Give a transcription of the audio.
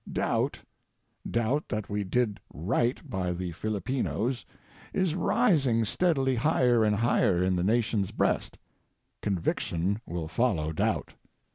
Doubt — doubt that we did right by the Filipinos — is rising steadily higher and higher in the nation's breast; conviction will follow doubt.